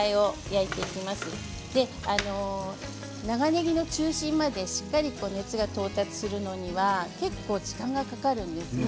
長ねぎの中心までしっかりと熱が到達するには結構時間がかかるんですね。